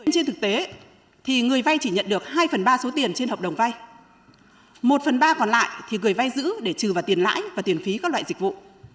trên thực tế thì người vay chỉ nhận được hai phần ba số tiền trên hợp đồng vay một phần ba còn lại thì người vay giữ để trừ vào tiền lãi và tiền phí các loại dịch vụ